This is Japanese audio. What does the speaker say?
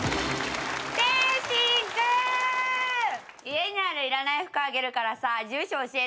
家にあるいらない服あげるからさ住所教えてよ。